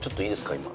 今。